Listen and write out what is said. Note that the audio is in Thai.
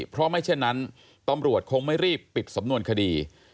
เพราะไม่เช่นนั้นตำรวจคงไม่รีบปิดสำนวนคดี